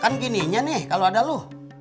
kan gininya nih kalau ada loh